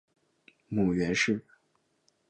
母袁氏。